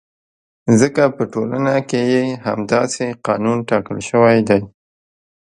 ځکه په ټولنه کې یې همداسې قانون ټاکل شوی دی.